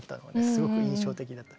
すごく印象的だった。